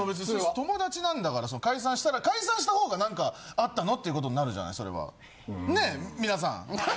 友達なんだから解散したら解散した方が何かあったの？っていうことになるじゃないそれは。